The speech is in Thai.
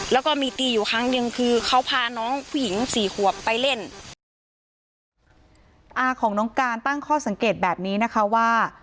แล้วก็มีตีอยู่ครั้งหนึ่งคือเขาพาน้องผู้หญิงสี่ขวบไปเล่นอาของน้องการตั้งข้อสังเกตแบบนี้นะคะว่า